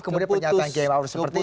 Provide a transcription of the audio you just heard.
kemudian penyataan kiai maruf seperti itu